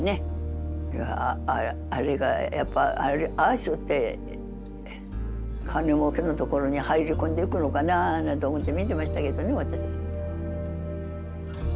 あれがやっぱああしよって金もうけのところに入り込んでいくのかななんて思って見てましたけどね私。